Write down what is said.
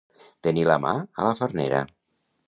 Tenir la mà a la farnera.